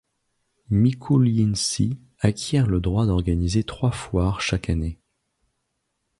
Mykoulyntsi acquiert le droit d'organiser trois foires chaque année.